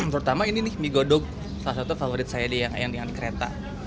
terutama ini nih mie godok salah satu favorit saya yang diangkat di kereta